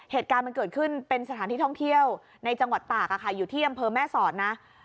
เหตุการณ์มันเกิดขึ้นเป็นสถานที่ท่องเที่ยวในจังหวัดตากอยู่ที่อำเภอแม่สอดนะ